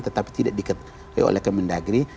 tetapi tidak diketahui oleh kemendagri